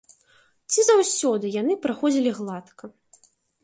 Ці заўсёды яны праходзілі гладка?